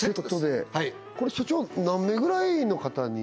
これ社長何名ぐらいの方に？